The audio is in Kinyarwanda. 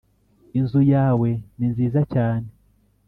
inzu yawe ni nziza cyane.